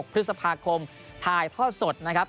พฤษภาคมถ่ายทอดสดนะครับ